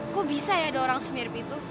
kok bisa ya ada orang yang mirip itu